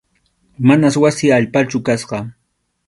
Manas wasi allpachu kasqa.